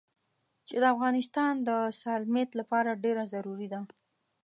چې د افغانستان د سالميت لپاره ډېره ضروري ده.